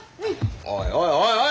おいおいおいおい！